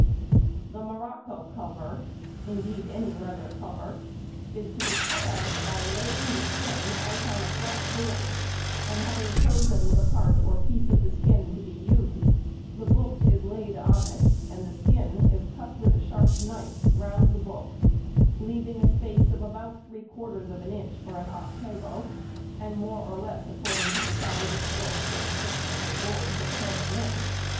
] The morocco cover, indeed any leather cover, is to be cut out by laying the skin out on a flat board, and having chosen the part or piece of the skin to be used, the book is laid on it and the skin is cut with a sharp knife round the book, leaving a space of about 3/4 of an inch for an 8vo, and more or less according to the size of the book and thickness of board for turning in.